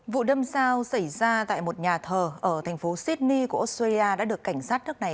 vụ đâm sao xảy ra tại một nhà thờ ở thành phố sydney của australia đã được cảnh sát nước này